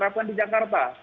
kita terapkan di jakarta